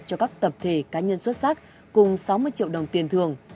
cho các tập thể cá nhân xuất sắc cùng sáu mươi triệu đồng tiền thường